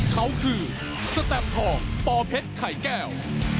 เขาคือสแตมทองปอเพชรไข่แก้ว